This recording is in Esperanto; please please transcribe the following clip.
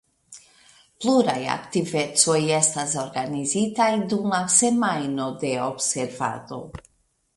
Pluraj aktivecoj estas organizitaj dum la semajno de observado.